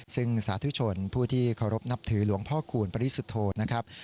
ซึ่งสาธุชนผู้ที่เคารพนับถือหลวงพ่อคูณปริสุทธโธนะครับ